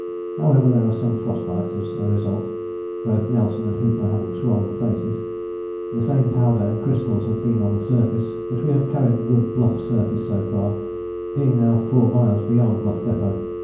However, there are some frost bites as a result, both Nelson and Hooper having swollen faces. The same powder and crystals have been on the surface, but we have carried the good Bluff surface so far, being now four miles beyond Bluff Depôt.